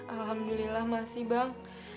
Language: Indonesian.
alhamdulillah masih bang